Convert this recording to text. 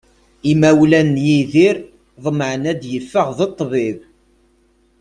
Imawlan n Yidir ḍemεen ad d-iffeɣ d ṭṭbib.